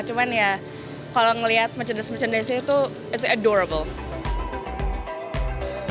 cuman ya kalau ngeliat macun macun dan segini tuh it's adorable